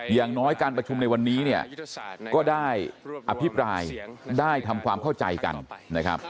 อย่างน้อยการประชุมในวันนี้เนี่ยก็ได้อภิปรายได้ทำความเข้าใจกันนะครับ